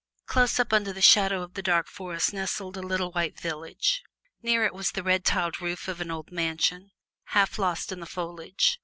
Close up under the shadow of the dark forest nestled a little white village. Near it was the red tile roof of an old mansion, half lost in the foliage.